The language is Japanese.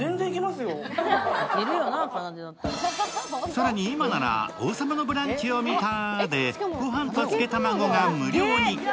更に、今なら「王様のブランチ」を見たで、ご飯と漬け卵が無料に。